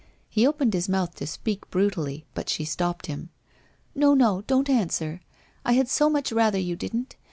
He opened his mouth to speak brutally, but she stopped him. ' Xo, no, don't answer. I had so much rather you didn't.